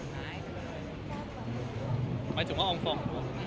หมายถึงว่าอองฟอร์มบ้าง